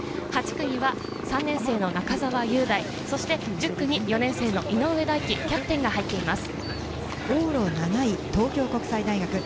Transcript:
８区には３年生の中澤雄大、１０区に４年生の井上大輝キャプテンが往路７位、東京国際大学。